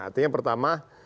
artinya yang pertama